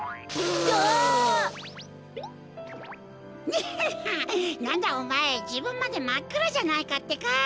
ニャッハッハなんだおまえじぶんまでまっくろじゃないかってか。